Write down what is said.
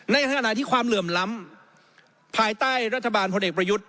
ในขณะที่ความเหลื่อมล้ำภายใต้รัฐบาลพลเอกประยุทธ์